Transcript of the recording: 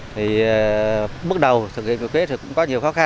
thì bước đầu thực hiện nghị quyết thì cũng có nhiều khó khăn